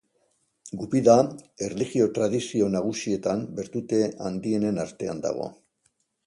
Gupida erlijio-tradizio nagusietan bertute handienen artean dago.